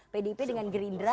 pdip dengan gerindra